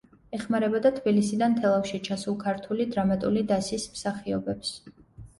ეხმარებოდა თბილისიდან თელავში ჩასულ ქართული დრამატული დასის მსახიობებს.